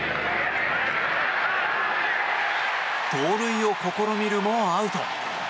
盗塁を試みるもアウト。